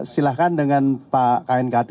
silakan dengan pak knkt